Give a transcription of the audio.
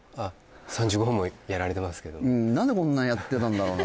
３５本もやられてますけど何でこんなやってたんだろうな